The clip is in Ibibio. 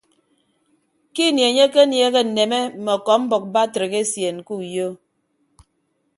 Ke ini enye akenieehe nneme mme ọkọmbʌk batrik esien ke uyo.